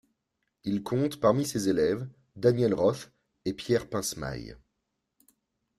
Il compte parmi ses élèves Daniel Roth et Pierre Pincemaille.